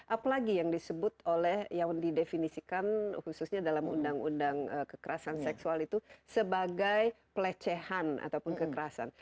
apalagi yang disebut oleh yang didefinisikan khususnya dalam undang undang kekerasan seksual itu sebagai pelecehan ataupun kekerasan